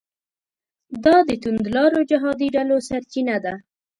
دا د توندلارو جهادي ډلو سرچینه ده.